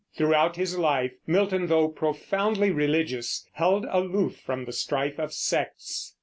Throughout his life Milton, though profoundly religious, held aloof from the strife of sects.